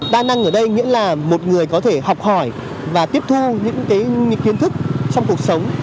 đa năng ở đây nghĩa là một người có thể học hỏi và tiếp thu những kiến thức trong cuộc sống